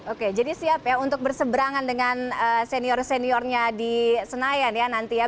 oke jadi siap ya untuk berseberangan dengan senior seniornya di senayan ya nanti ya